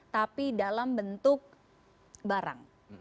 tapi dalam bentuk barang